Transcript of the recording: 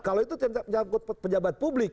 kalau itu terjadi penjabat publik